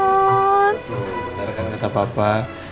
tepat tepat rekan kata papa